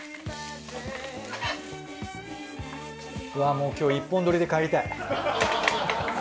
もう今日一本撮りで帰りたい。